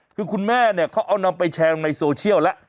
คือคุณแม่เนี่ยเขาเอานำไปแชร์ลงในโซเชียลแล้ว